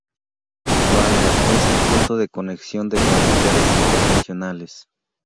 Valga es un punto de conexión de carreteras internacionales.